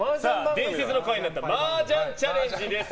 伝説の回になったマージャンチャレンジです。